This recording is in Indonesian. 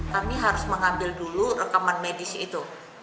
kami harus mengambil dulu rekaman medis itu